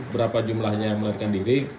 berapa jumlahnya yang melarikan diri